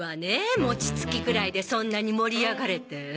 餅つきくらいでそんなに盛り上がれて。